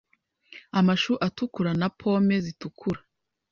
amashu atukura na pome zitukura